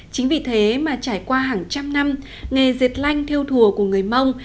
chính vì thế mà trải qua hàng trăm năm nghề dệt lanh theo thùa của người mông